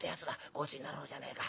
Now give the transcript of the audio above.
ごちになろうじゃねえか。